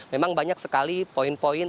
memang banyak sekali poin poin